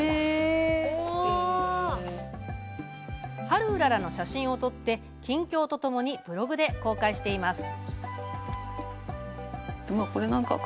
ハルウララの写真を撮って近況とともにブログで公開しています。